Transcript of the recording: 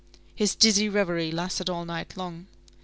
His dizzy reverie lasted all night long.